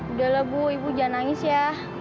udah lah bu ibu jangan nangis ya